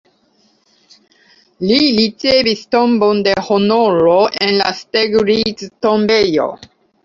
Li ricevis tombon de honoro en la Steglitz-tombejo.